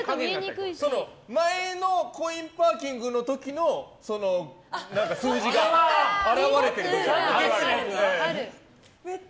前のコインパーキングの時の数字が現れてることある。